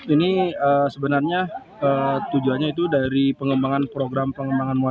ini sebenarnya tujuannya itu dari pengembangan program pengembangan